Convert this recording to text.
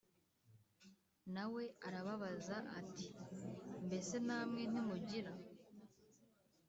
Na we arababaza ati Mbese namwe ntimugira